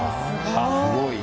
えすごい。